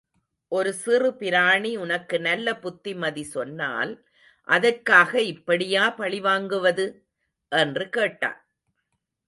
ஒரு சிறு பிராணி உனக்கு நல்ல புத்திமதி சொன்னால், அதற்காக இப்படியா பழி வாங்குவது? என்று கேட்டான்.